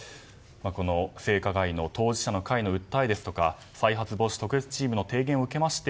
性加害の当事者の会の訴えですとか再発防止特別チームの提言を受けまして